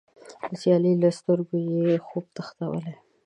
د سیال له سترګو یې، خوب تښتولی